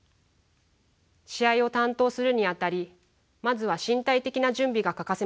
試合を担当するにあたりまずは身体的な準備が欠かせません。